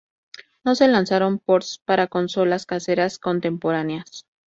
No se lanzaron ports para consolas caseras contemporáneas.